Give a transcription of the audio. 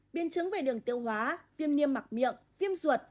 biên chứng về đường tiêu hóa viêm niêm mặc miệng viêm ruột